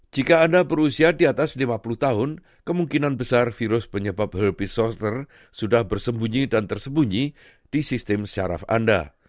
jika anda berusia di atas lima puluh tahun kemungkinan besar virus penyebab herby softter sudah bersembunyi dan tersembunyi di sistem syaraf anda